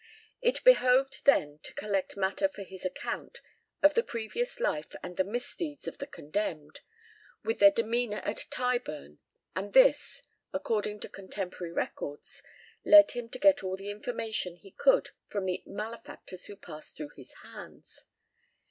It behoved then to collect matter for his account of the previous life and the misdeeds of the condemned, with their demeanour at Tyburn, and this, according to contemporary records, led him to get all the information he could from the malefactors who passed through his hands.